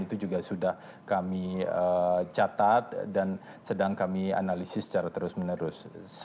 itu juga sudah kami catat dan sedang kami analisis secara terus menerus